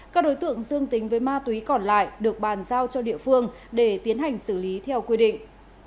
các đối tượng dương tính với ma túy còn lại được bàn giao cho địa phương để tiến hành xử lý theo quy định